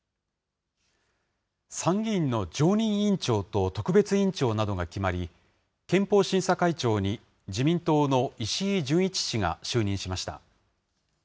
参議院の常任委員長と特別委員長などが決まり、憲法審査会長に自民党の石井準一氏が就任しました。